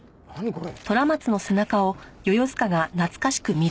これ。